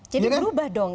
jadi berubah dong